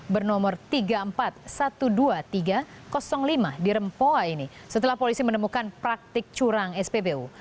bernomor tiga puluh empat satu dua tiga ratus lima di rempoha ini setelah polisi menemukan praktik curang spbu